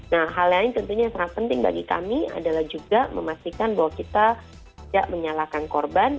nah hal lain tentunya yang sangat penting bagi kami adalah juga memastikan bahwa kita tidak menyalahkan korban